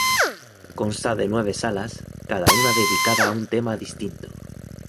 Consta de nueve salas, cada una dedicada a un tema distinto.